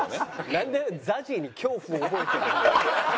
なんでＺＡＺＹに恐怖を覚えてるんだよ？